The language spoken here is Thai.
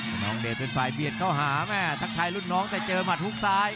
น้องเดชเป็นฝ่ายเบียดเข้าหาแม่ทักทายรุ่นน้องแต่เจอหมัดฮุกซ้าย